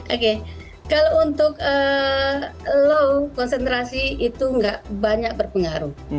oke kalau untuk low konsentrasi itu nggak banyak berpengaruh